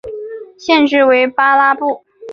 县治为巴拉布。